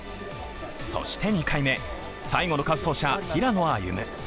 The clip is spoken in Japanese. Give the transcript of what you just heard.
そして２回目、最後の滑走者平野歩夢。